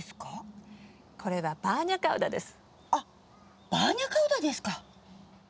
あっバーニャカウダですか。